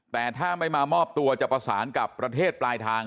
แต่ถ้าไม่มามอบตัวจะประสานกับประเทศปลายทาง